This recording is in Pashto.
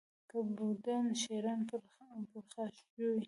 که بودند شیران پرخاشجوی